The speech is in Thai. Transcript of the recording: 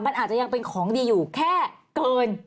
มันอาจจะยังเป็นของดีอยู่แค่เกิน